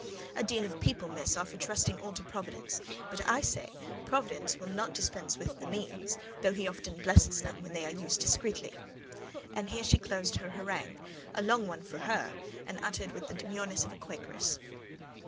A deal of people, Miss, are for trusting all to Providence; but I say Providence will not dispense with the means, though He often blesses them when they are used discreetly." And here she closed her harangue: a long one for her, and uttered with the demureness of a Quakeress.